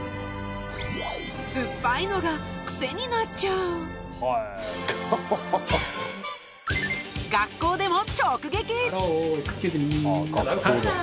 酸っぱいのがクセになっちゃう学校でも直撃ハロー！